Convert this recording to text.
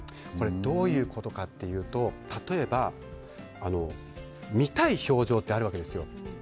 どういうことかというと例えば、見たい表情ってあるわけですよ。